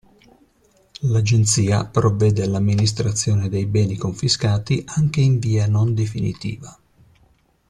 L'Agenzia provvede all'amministrazione dei beni confiscati anche in via non definitiva.